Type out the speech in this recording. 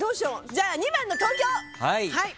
じゃあ２番の東京。